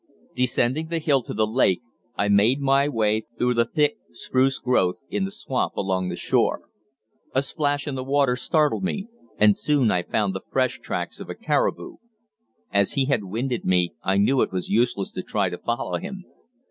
Descending the hill to the lake, I made my way through the thick spruce growth in the swamp along the shore. A splash in the water startled me, and soon I found the fresh tracks of a caribou. As he had winded me, I knew it was useless to try to follow him.